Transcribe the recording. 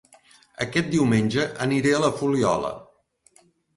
Aquest diumenge aniré a La Fuliola